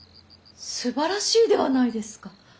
すばらしいではないですか。